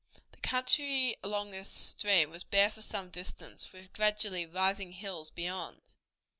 The country along this stream was bare for some distance, with gradually rising hills beyond.